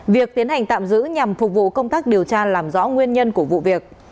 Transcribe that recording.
việc tiến hành tạm giữ nhằm phục vụ công tác điều tra làm rõ nguyên nhân của vụ việc